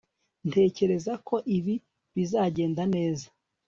ntekereza ko ibi bizagenda neza